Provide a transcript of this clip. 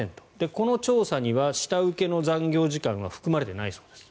この調査には下請けの残業時間は含まれていないそうです。